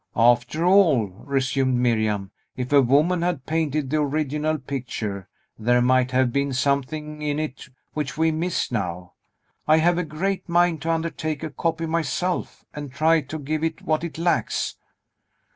"After all," resumed Miriam, "if a woman had painted the original picture, there might have been something in it which we miss now. I have a great mind to undertake a copy myself; and try to give it what it lacks.